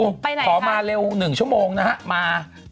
ไปไหนค่ะขอมาเร็ว๑ชั่วโมงนะฮะมา